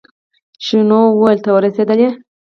شنو ونو ته ورسېدل.